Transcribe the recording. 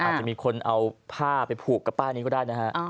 อาจจะมีคนเอาผ้าไปผูกกับป้ายนี้ก็ได้นะฮะ